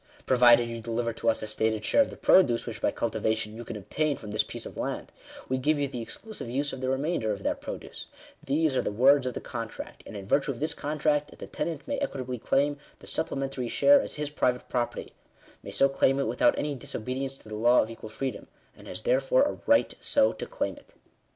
" Provided you deliver to us a stated share of the produce which by cultivation you can obtain from this piece of land, we give you the exclusive use of the remainder of that produce :" these are the words of the contract ; and in virtue of this contract, the tenant may equitably claim the supplementary share as his private property : may so claim it without any disobedience to the law of equal freedom; and has therefore a right so to claim it.